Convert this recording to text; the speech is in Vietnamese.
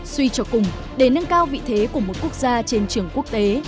suy cho cùng để nâng cao vị thế của một quốc gia trên trường quốc tế